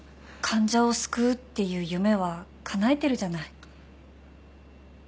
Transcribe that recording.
患者を救うっていう夢はかなえてるじゃない。